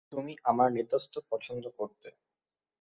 তুমি আমার নিতম্ব পছন্দ করতে।